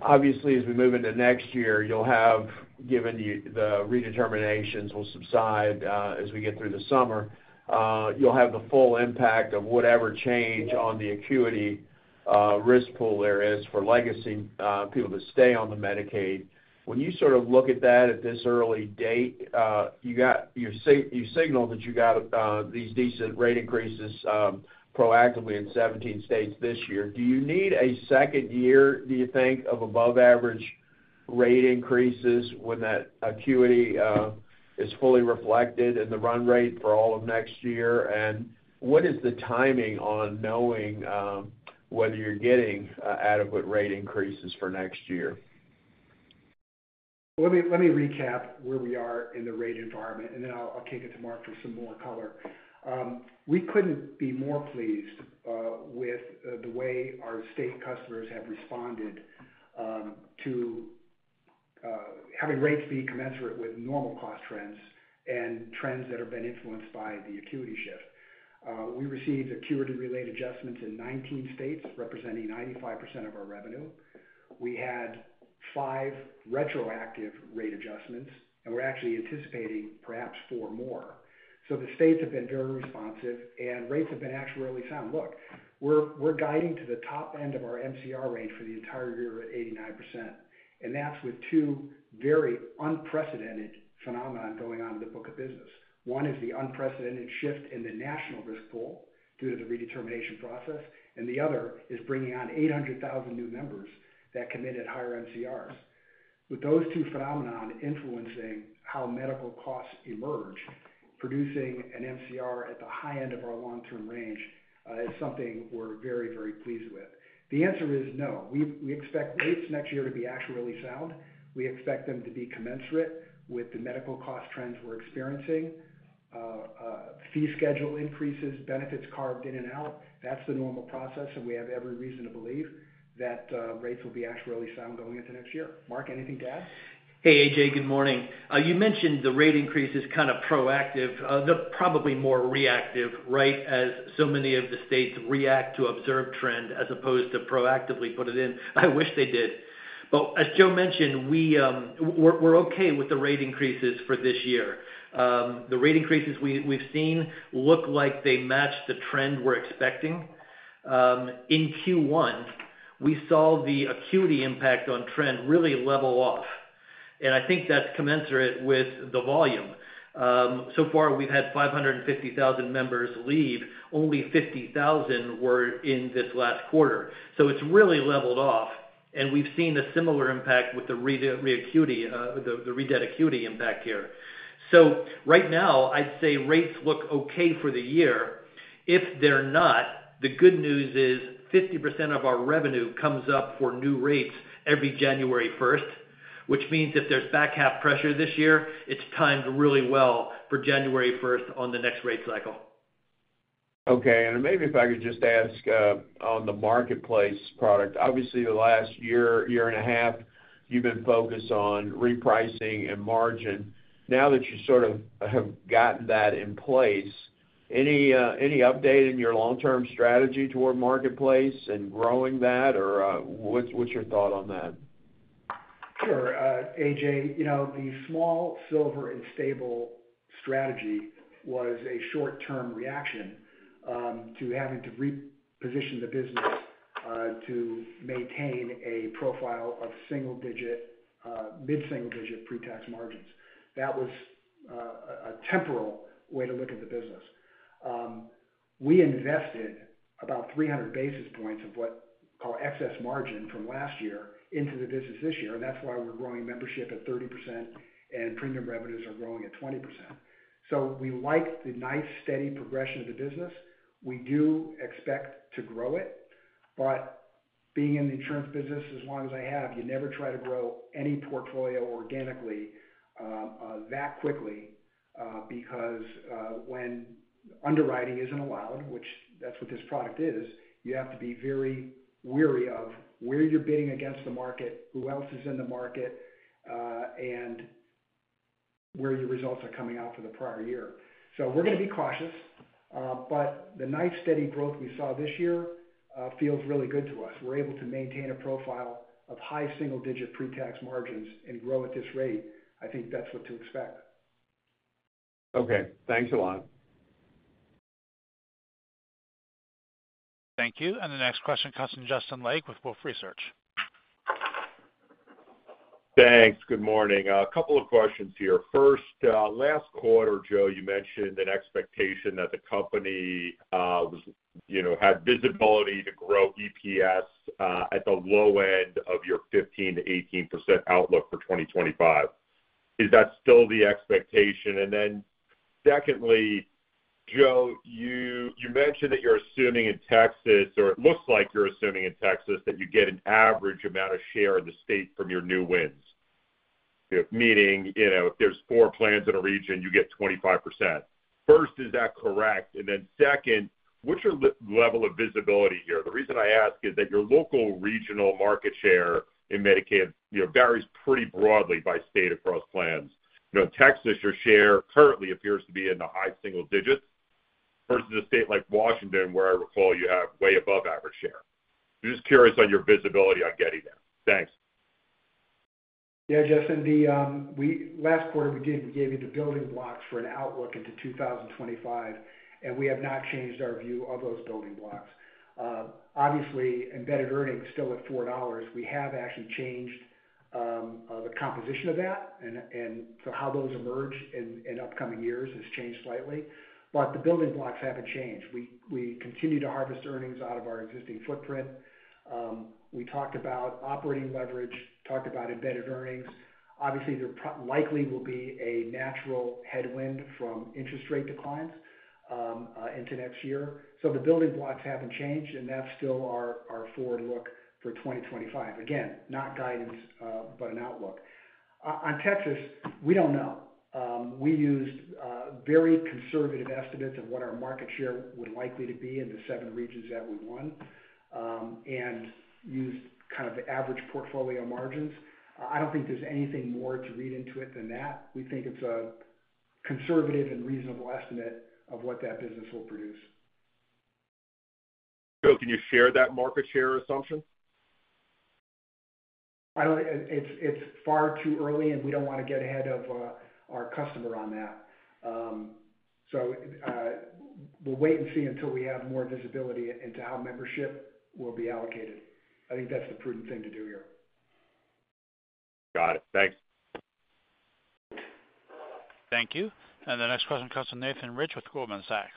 Obviously, as we move into next year, you'll have, given the redeterminations will subside, as we get through the summer, you'll have the full impact of whatever change on the acuity risk pool there is for legacy people to stay on the Medicaid. When you sort of look at that at this early date, you signaled that you got these decent rate increases proactively in 17 states this year. Do you need a second year, do you think, of above average rate increases when that acuity is fully reflected in the run rate for all of next year? And what is the timing on knowing whether you're getting adequate rate increases for next year? Let me recap where we are in the rate environment, and then I'll kick it to Mark for some more color. We couldn't be more pleased with the way our state customers have responded to having rates be commensurate with normal cost trends and trends that have been influenced by the acuity shift. We received acuity-related adjustments in 19 states, representing 95% of our revenue. We had five retroactive rate adjustments, and we're actually anticipating perhaps four more. So the states have been very responsive, and rates have been actuarially sound. Look, we're guiding to the top end of our MCR range for the entire year at 89%, and that's with two very unprecedented phenomenon going on in the book of business. One is the unprecedented shift in the national risk pool due to the redetermination process, and the other is bringing on 800,000 new members that committed higher MCRs. With those two phenomena influencing how medical costs emerge, producing an MCR at the high end of our long-term range is something we're very, very pleased with. The answer is no. We expect rates next year to be actuarially sound. We expect them to be commensurate with the medical cost trends we're experiencing. Fee schedule increases, benefits carved in and out, that's the normal process, and we have every reason to believe that rates will be actuarially sound going into next year. Mark, anything to add? Hey, A.J., good morning. You mentioned the rate increase is kind of proactive. They're probably more reactive, right? As so many of the states react to observed trend as opposed to proactively put it in. I wish they did. But as Joe mentioned, we're okay with the rate increases for this year. The rate increases we've seen look like they match the trend we're expecting. In Q1, we saw the acuity impact on trend really level off, and I think that's commensurate with the volume. So far, we've had 550,000 members leave. Only 50,000 were in this last quarter. So it's really leveled off, and we've seen a similar impact with the re-acuity, the redetermination acuity impact here. So right now, I'd say rates look okay for the year. If they're not, the good news is 50% of our revenue comes up for new rates every January 1, which means if there's back half pressure this year, it's timed really well for January 1 on the next rate cycle. Okay. And maybe if I could just ask, on the Marketplace product. Obviously, the last year, year and a half, you've been focused on repricing and margin. Now that you sort of have gotten that in place, any, any update in your long-term strategy toward Marketplace and growing that, or, what's, what's your thought on that? Sure, A.J., you know, the small, silver and stable strategy was a short-term reaction to having to reposition the business to maintain a profile of single digit, mid-single digit pretax margins. That was a temporal way to look at the business. We invested about 300 basis points of what call excess margin from last year into the business this year, and that's why we're growing membership at 30% and premium revenues are growing at 20%. So we like the nice, steady progression of the business. We do expect to grow it, but being in the insurance business as long as I have, you never try to grow any portfolio organically, that quickly, because, when underwriting isn't allowed, which that's what this product is, you have to be very wary of where you're bidding against the market, who else is in the market, and where your results are coming out for the prior year. So we're gonna be cautious, but the nice, steady growth we saw this year, feels really good to us. We're able to maintain a profile of high single-digit pretax margins and grow at this rate. I think that's what to expect. Okay, thanks a lot. Thank you. The next question comes from Justin Lake with Wolfe Research. Thanks. Good morning. A couple of questions here. First, last quarter, Joe, you mentioned an expectation that the company was, you know, had visibility to grow EPS at the low end of your 15%-18% outlook for 2025. Is that still the expectation? And then secondly, Joe, you mentioned that you're assuming in Texas, or it looks like you're assuming in Texas, that you get an average amount of share of the state from your new wins. Meaning, you know, if there's 4 plans in a region, you get 25%. First, is that correct? And then second, what's your level of visibility here? The reason I ask is that your local regional market share in Medicaid, you know, varies pretty broadly by state across plans. You know, Texas, your share currently appears to be in the high single digits, versus a state like Washington, where I recall you have way above average share. Just curious on your visibility on getting there. Thanks. Yeah, Justin, the last quarter, we did, we gave you the building blocks for an outlook into 2025, and we have not changed our view of those building blocks. Obviously, Embedded Earnings still at $4. We have actually changed the composition of that, and, and so how those emerge in, in upcoming years has changed slightly, but the building blocks haven't changed. We, we continue to harvest earnings out of our existing footprint. We talked about operating leverage, talked about Embedded Earnings. Obviously, there likely will be a natural headwind from interest rate declines into next year. So the building blocks haven't changed, and that's still our, our forward look for 2025. Again, not guidance, but an outlook. On Texas, we don't know. We used very conservative estimates of what our market share would likely to be in the seven regions that we won, and used kind of the average portfolio margins. I don't think there's anything more to read into it than that. We think it's a conservative and reasonable estimate of what that business will produce. Joe, can you share that market share assumption? I don't... It's, it's far too early, and we don't want to get ahead of our customer on that. So, we'll wait and see until we have more visibility into how membership will be allocated. I think that's the prudent thing to do here. Got it. Thanks. Thank you. The next question comes from Nathan Rich with Goldman Sachs.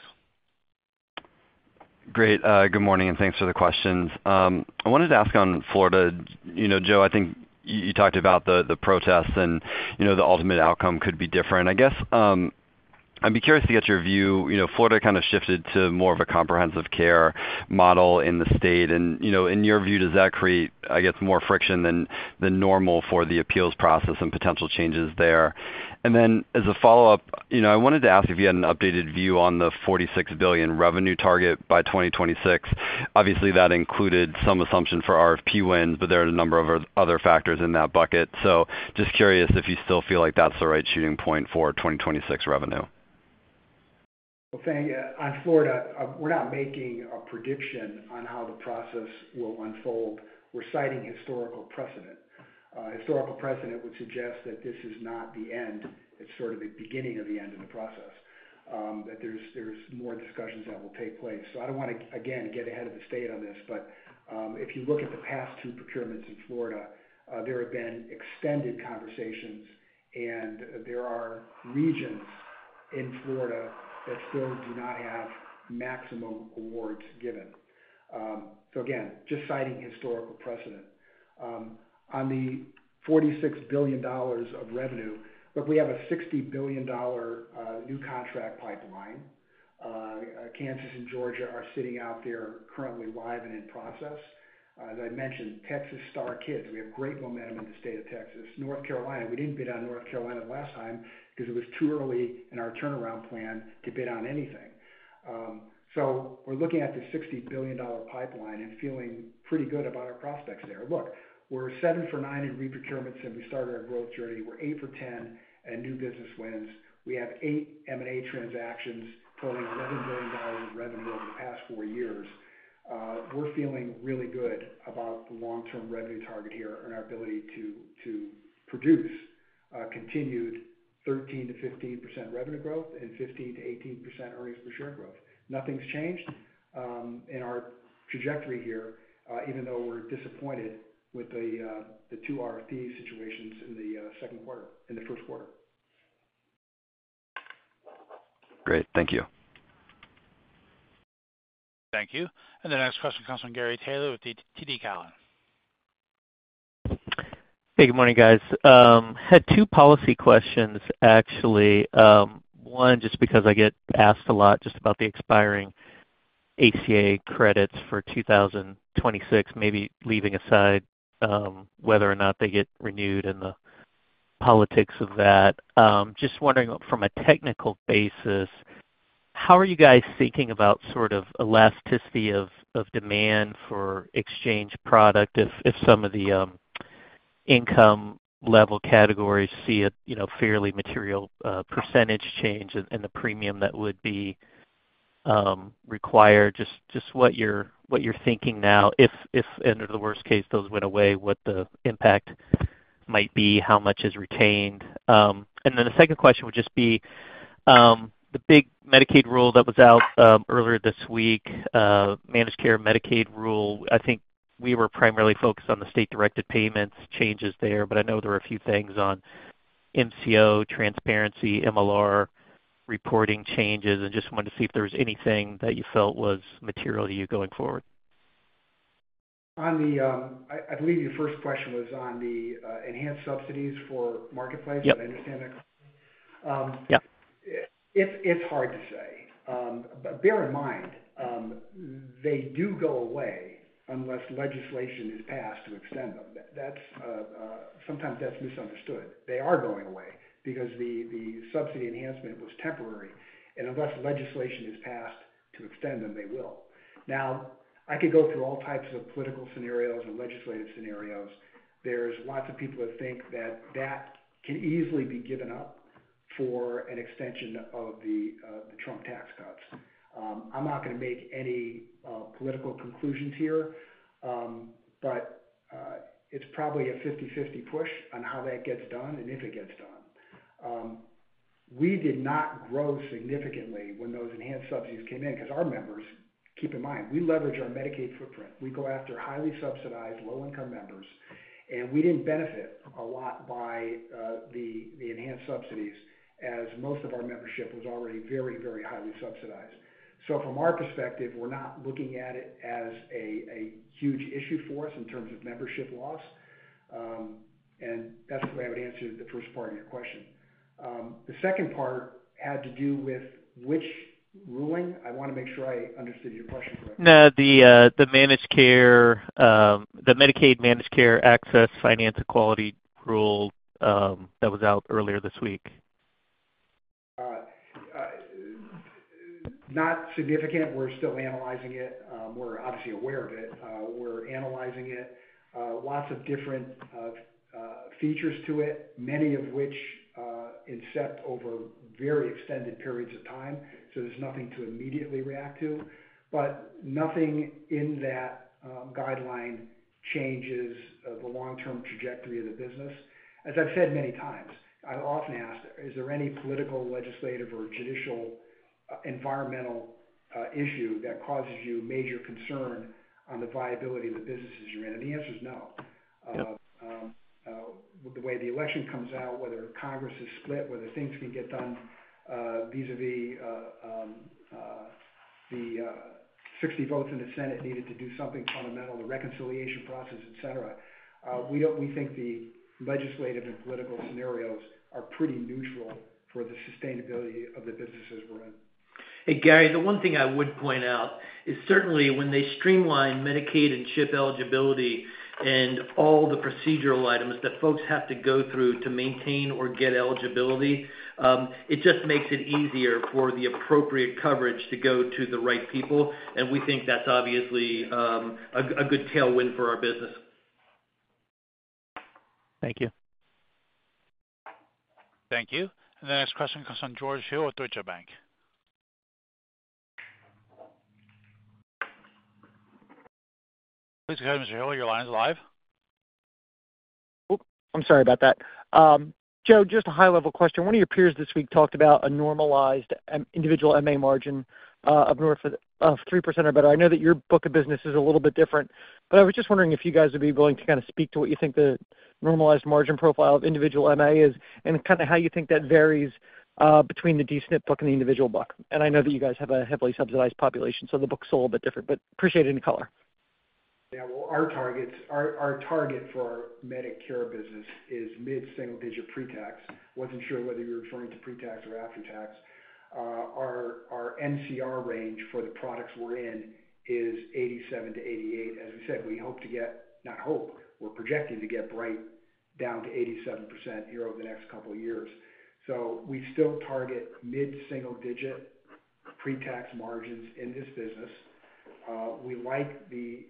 Great. Good morning, and thanks for the questions. I wanted to ask on Florida. You know, Joe, I think you talked about the protests and, you know, the ultimate outcome could be different. I guess...... I'd be curious to get your view. You know, Florida kind of shifted to more of a comprehensive care model in the state, and, you know, in your view, does that create, I guess, more friction than normal for the appeals process and potential changes there? And then, as a follow-up, you know, I wanted to ask if you had an updated view on the $46 billion revenue target by 2026. Obviously, that included some assumption for RFP wins, but there are a number of other factors in that bucket. So just curious if you still feel like that's the right shooting point for 2026 revenue. Well, thank you. On Florida, we're not making a prediction on how the process will unfold. We're citing historical precedent. Historical precedent would suggest that this is not the end, it's sort of the beginning of the end of the process, that there's more discussions that will take place. So I don't wanna, again, get ahead of the state on this, but, if you look at the past two procurements in Florida, there have been extended conversations, and there are regions in Florida that still do not have maximum awards given. So again, just citing historical precedent. On the $46 billion of revenue, look, we have a $60 billion new contract pipeline. Kansas and Georgia are sitting out there currently live and in process. As I mentioned, Texas STAR Kids, we have great momentum in the state of Texas. North Carolina, we didn't bid on North Carolina last time because it was too early in our turnaround plan to bid on anything. So we're looking at the $60 billion pipeline and feeling pretty good about our prospects there. Look, we're seven for nine in reprocurements, and we started our growth journey. We're eight for 10 at new business wins. We have eight M&A transactions totaling $11 billion in revenue over the past four years. We're feeling really good about the long-term revenue target here and our ability to, to produce, continued 13%-15% revenue growth and 15%-18% earnings per share growth. Nothing's changed in our trajectory here, even though we're disappointed with the two RFP situations in the second quarter, in the first quarter. Great. Thank you. Thank you. The next question comes from Gary Taylor with the TD Cowen. Hey, good morning, guys. Had two policy questions, actually. One, just because I get asked a lot just about the expiring ACA credits for 2026, maybe leaving aside whether or not they get renewed and the politics of that. Just wondering, from a technical basis, how are you guys thinking about sort of elasticity of demand for exchange product if some of the income level categories see a, you know, fairly material percentage change in the premium that would be required? Just what you're thinking now, if under the worst case, those went away, what the impact might be, how much is retained? And then the second question would just be the big Medicaid rule that was out earlier this week, Managed Care Medicaid rule. I think we were primarily focused on the state-directed payments changes there, but I know there are a few things on MCO, transparency, MLR, reporting changes, and just wanted to see if there was anything that you felt was material to you going forward? On the, I believe your first question was on the enhanced subsidies for marketplace- Yep. - If I understand that correctly. Yep. It's hard to say. But bear in mind, they do go away unless legislation is passed to extend them. That's sometimes misunderstood. They are going away because the subsidy enhancement was temporary, and unless legislation is passed to extend them, they will. Now, I could go through all types of political scenarios and legislative scenarios. There's lots of people that think that that can easily be given up for an extension of the Trump tax cuts. I'm not gonna make any political conclusions here, but it's probably a 50/50 push on how that gets done and if it gets done. We did not grow significantly when those enhanced subsidies came in because our members, keep in mind, we leverage our Medicaid footprint. We go after highly subsidized, low-income members, and we didn't benefit a lot by the enhanced subsidies, as most of our membership was already very, very highly subsidized. So from our perspective, we're not looking at it as a huge issue for us in terms of membership loss, and that's the way I would answer the first part of your question. The second part had to do with which ruling? I wanna make sure I understood your question correctly. No, the managed care, the Medicaid Managed Care Access Finance and Quality rule, that was out earlier this week. Not significant. We're still analyzing it. We're obviously aware of it. We're analyzing it. Lots of different features to it, many of which incept over very extended periods of time, so there's nothing to immediately react to. But nothing in that guideline changes the long-term trajectory of the business. As I've said many times, I've often asked: Is there any political, legislative, or judicial environmental issue that causes you major concern on the viability of the businesses you're in? And the answer is no. Yep. The way the election comes out, whether Congress is split, whether things can get done, vis-à-vis the 60 votes in the Senate needed to do something fundamental, the reconciliation process, et cetera. We think the legislative and political scenarios are pretty neutral for the sustainability of the businesses we're in. Hey, Gary, the one thing I would point out is certainly when they streamline Medicaid and CHIP eligibility and all the procedural items that folks have to go through to maintain or get eligibility, it just makes it easier for the appropriate coverage to go to the right people, and we think that's obviously a good tailwind for our business. Thank you. Thank you. And the next question comes from George Hill with Deutsche Bank. Please go ahead, Mr. Hill, your line is live. Oop, I'm sorry about that. Joe, just a high-level question. One of your peers this week talked about a normalized individual MA margin of north of 3% or better. I know that your book of business is a little bit different, but I was just wondering if you guys would be willing to kind of speak to what you think the normalized margin profile of individual MA is, and kind of how you think that varies between the D-SNP book and the individual book. I know that you guys have a heavily subsidized population, so the book's a little bit different, but appreciate any color. Yeah, well, our targets, our target for our Medicare business is mid-single digit pre-tax. Wasn't sure whether you were referring to pre-tax or after-tax. Our MCR range for the products we're in is 87%-88%. As I said, we hope to get, not hope, we're projecting to get right down to 87% here over the next couple of years. So we still target mid-single digit pre-tax margins in this business. We like the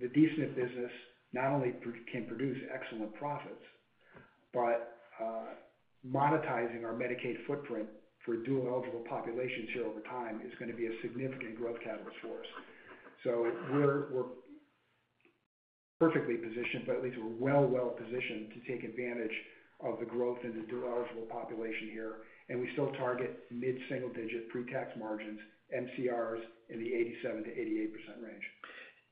D-SNP business, not only pro- can produce excellent profits, but monetizing our Medicaid footprint for dual-eligible populations here over time is gonna be a significant growth catalyst for us. So we're perfectly positioned, but at least we're well-positioned to take advantage of the growth in the dual-eligible population here, and we still target mid-single digit pre-tax margins, MCRs in the 87%-88% range.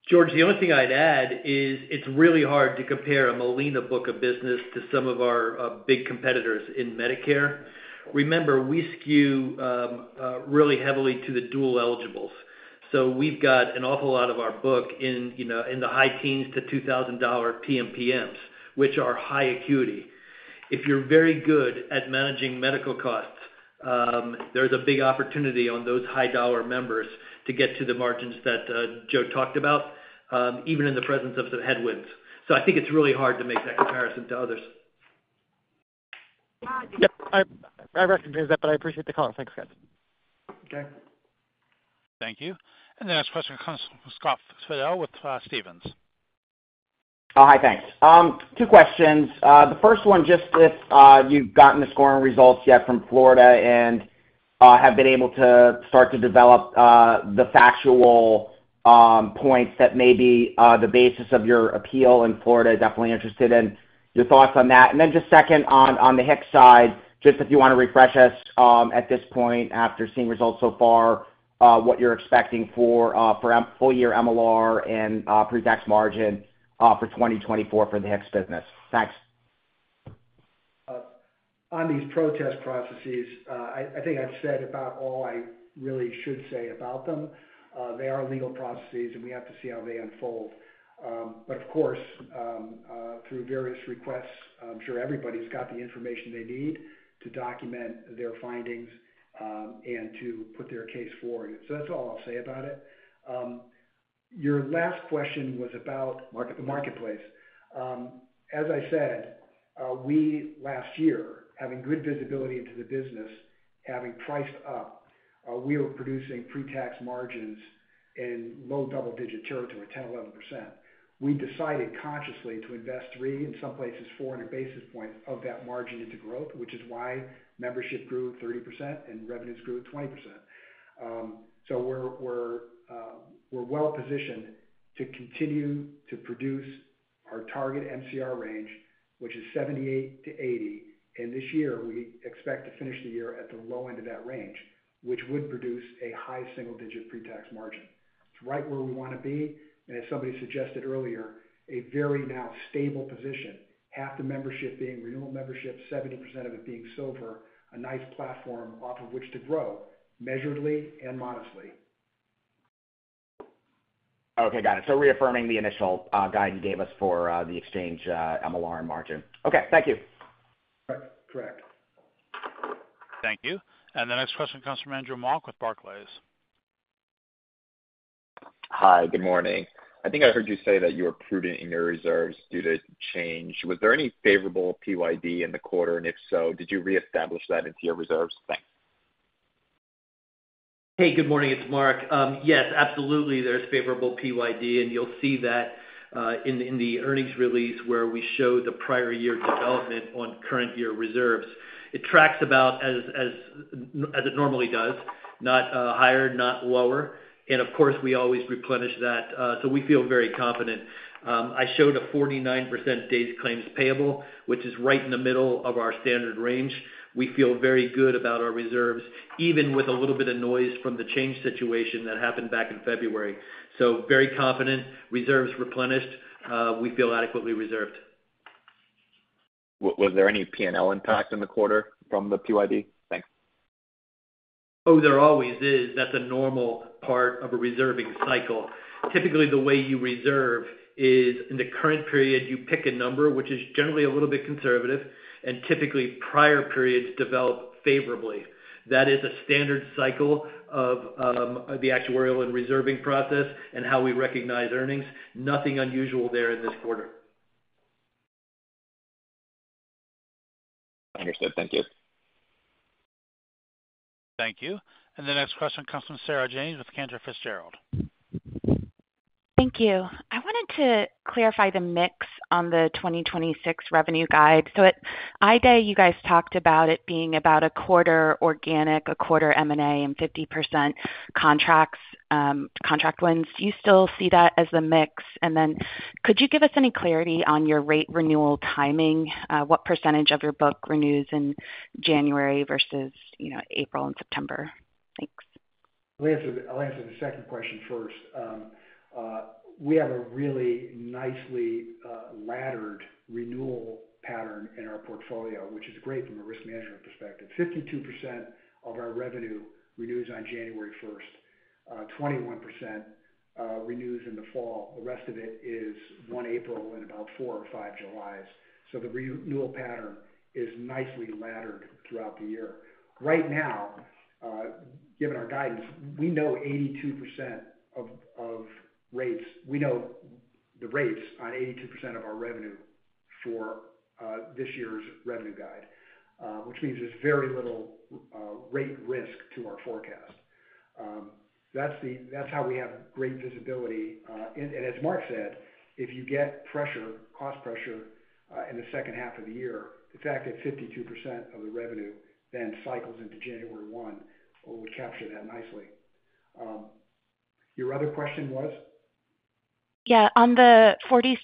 George, the only thing I'd add is it's really hard to compare a Molina book of business to some of our big competitors in Medicare. Remember, we skew really heavily to the dual eligibles. So we've got an awful lot of our book in, you know, in the high teens to $2,000 PMPMs, which are high acuity. If you're very good at managing medical costs, there's a big opportunity on those high-dollar members to get to the margins that Joe talked about, even in the presence of some headwinds. So I think it's really hard to make that comparison to others. Yep, I recognize that, but I appreciate the call. Thanks, guys. Okay. Thank you. And the next question comes from Scott Fidel with Stephens. Oh, hi, thanks. Two questions. The first one, just if you've gotten the scoring results yet from Florida and have been able to start to develop the factual points that may be the basis of your appeal in Florida. Definitely interested in your thoughts on that. And then just second on the HIX side, just if you want to refresh us, at this point, after seeing results so far, what you're expecting for a full year MLR and pre-tax margin for 2024 for the HIX business. Thanks. On these protest processes, I think I've said about all I really should say about them. They are legal processes, and we have to see how they unfold. But of course, through various requests, I'm sure everybody's got the information they need to document their findings, and to put their case forward. So that's all I'll say about it. Your last question was about market, the Marketplace. As I said, we last year, having good visibility into the business, having priced up, we were producing pre-tax margins in low double-digit territory, 10%-11%. We decided consciously to invest 300, in some places 400 basis points of that margin into growth, which is why membership grew at 30% and revenues grew at 20%. So we're well positioned to continue to produce our target MCR range, which is 78%-80%, and this year, we expect to finish the year at the low end of that range, which would produce a high single-digit pre-tax margin. It's right where we want to be, and as somebody suggested earlier, a very now stable position, half the membership being renewal membership, 70% of it being silver, a nice platform off of which to grow, measuredly and modestly. Okay, got it. So reaffirming the initial guidance you gave us for the exchange MLR margin. Okay, thank you. Right. Correct. Thank you. The next question comes from Andrew Mok with Barclays. Hi, good morning. I think I heard you say that you were prudent in your reserves due to Change. Was there any favorable PYD in the quarter? And if so, did you reestablish that into your reserves? Thanks. Hey, good morning, it's Mark. Yes, absolutely, there's favorable PYD, and you'll see that in the earnings release, where we show the prior year development on current year reserves. It tracks about as it normally does, not higher, not lower, and of course, we always replenish that, so we feel very confident. I showed a 49% days claims payable, which is right in the middle of our standard range. We feel very good about our reserves, even with a little bit of noise from the change situation that happened back in February. So very confident, reserves replenished, we feel adequately reserved.... Was there any PNL impact in the quarter from the PYD? Thanks. Oh, there always is. That's a normal part of a reserving cycle. Typically, the way you reserve is in the current period, you pick a number which is generally a little bit conservative, and typically prior periods develop favorably. That is a standard cycle of the actuarial and reserving process and how we recognize earnings. Nothing unusual there in this quarter. Understood. Thank you. Thank you. The next question comes from Sarah James with Cantor Fitzgerald. Thank you. I wanted to clarify the mix on the 2026 revenue guide. So at I-Day, you guys talked about it being about 25% organic, 25% M&A, and 50% contracts, contract wins. Do you still see that as the mix? And then could you give us any clarity on your rate renewal timing? What percentage of your book renews in January versus, you know, April and September? Thanks. Let me answer. I'll answer the second question first. We have a really nicely, laddered renewal pattern in our portfolio, which is great from a risk management perspective. 52% of our revenue renews on January first, 21% renews in the fall. The rest of it is one April and about four or five Julys. So the renewal pattern is nicely laddered throughout the year. Right now, given our guidance, we know 82% of rates. We know the rates on 82% of our revenue for this year's revenue guide, which means there's very little rate risk to our forecast. That's the. That's how we have great visibility. And as Mark said, if you get pressure, cost pressure, in the second half of the year, the fact that 52% of the revenue then cycles into January 1, we capture that nicely. Your other question was? Yeah, on the $46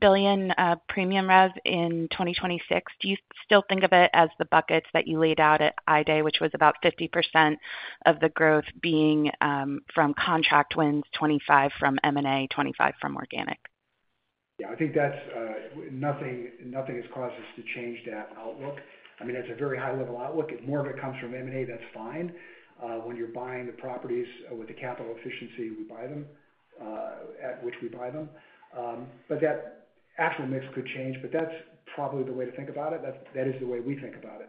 billion premium rev in 2026, do you still think of it as the buckets that you laid out at I-Day, which was about 50% of the growth being from contract wins, 25% from M&A, 25% from organic? Yeah, I think that's, nothing, nothing has caused us to change that outlook. I mean, that's a very high-level outlook. If more of it comes from M&A, that's fine. When you're buying the properties with the capital efficiency, we buy them at which we buy them. But that actual mix could change, but that's probably the way to think about it. That is the way we think about it.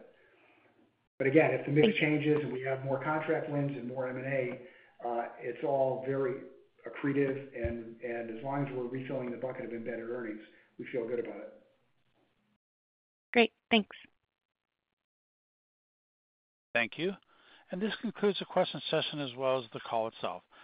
But again, if the mix changes and we have more contract wins and more M&A, it's all very accretive, and as long as we're refilling the bucket of embedded earnings, we feel good about it. Great. Thanks. Thank you. This concludes the question session as well as the call itself.